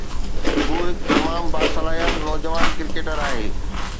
هو هڪ تمام باصلاحيت نوجوان ڪرڪيٽر آهي